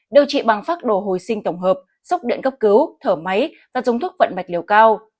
điều trị bằng phác đồ hồi sinh tổng hợp sốc điện cấp cứu thở máy và dùng thuốc vận mạch liều cao